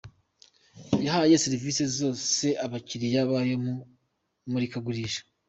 yahaye serivisi zose abakiriya bayo mu imurikagurisha